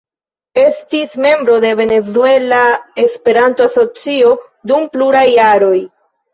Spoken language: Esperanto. Estis membro de Venezuela Esperanto-Asocio dum pluraj jaroj.